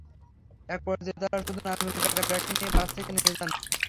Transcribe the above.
একপর্যায়ে তাঁরা শুধু নাজমুলের টাকার ব্যাগটি নিয়ে বাস থেকে নেমে যান।